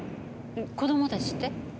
子供たちって？